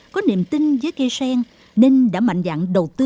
có niềm tin với cây sen nên đã mạnh dạng đầu tư